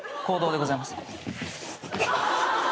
公道でございます。